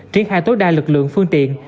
triển khai tối đa lực lượng phương tiện